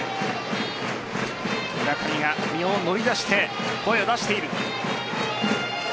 村上が身を乗り出して声を出している。